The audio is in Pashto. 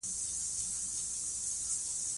په افغانستان کې د بزګانو لپاره پریمانه منابع شته دي.